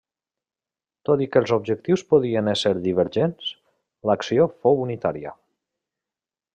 Tot i que els objectius podien ésser divergents, l'acció fou unitària.